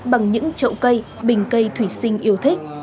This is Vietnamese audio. bằng những trậu cây bình cây thủy sinh yêu thích